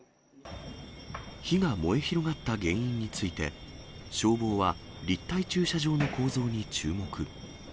火が燃え広がった原因について、消防は立体駐車場の構造に注目。